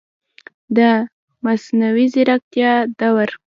د مصنوعي ځیرکتیا دور